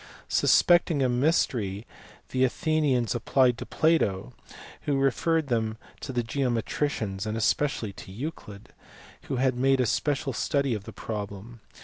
Suspecting a mystery the Athenians / applied to Plato, who referred them to the geometricians, and especially to Euclid, who had made a special study of the problem.